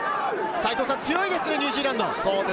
強いですね、ニュージーランド。